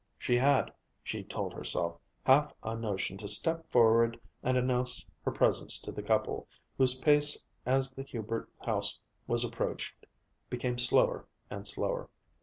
She had, she told herself, half a notion to step forward and announce her presence to the couple, whose pace as the Hubert house was approached became slower and slower.